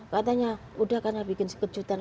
katanya udah karena bikin sekejutan